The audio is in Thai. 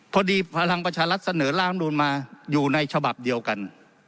พอดีภังประชาลัทธ์เสนอร่างรุนมาอยู่ในฉบับเดียวกัน